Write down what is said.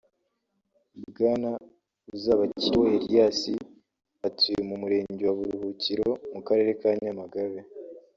Bwana Uzabakiriho Elias atuye mu murenge wa Buruhukiro mu karere ka Nyamagabe